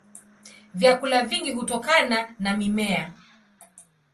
Vyakula vingi hutokana na mimea.